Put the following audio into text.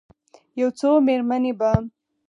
یو څو میرمنې به،